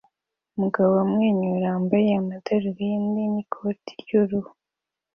Umugabo umwenyura wambaye amadarubindi n'ikoti ry'uruhu